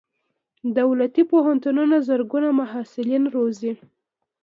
دولتي پوهنتونونه زرګونه محصلین روزي.